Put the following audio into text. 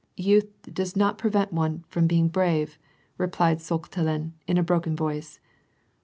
"Youth does not prevent one from being brave," replied Snkhtelen in a broken voice.